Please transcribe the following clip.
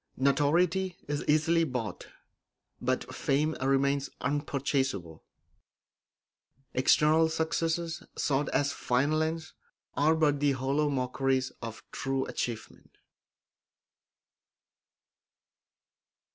Notoriety is easily bought, but fame remains unpurchasable; external successes, sought as final ends, are but the hollow mockeries of true achievement.